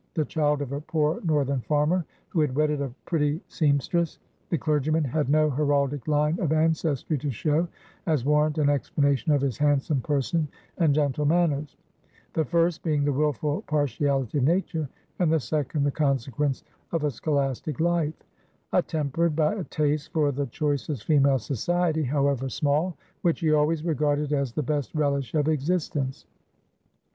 The child of a poor northern farmer who had wedded a pretty sempstress, the clergyman had no heraldic line of ancestry to show, as warrant and explanation of his handsome person and gentle manners; the first, being the willful partiality of nature; and the second, the consequence of a scholastic life, attempered by a taste for the choicest female society, however small, which he had always regarded as the best relish of existence.